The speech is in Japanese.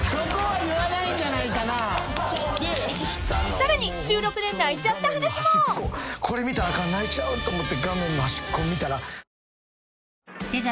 ［さらに収録で泣いちゃった話も］これ見たらあかん泣いちゃうと思って。